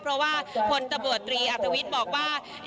เพราะว่าพลตำรวจตรีอัธวิทย์บอกว่า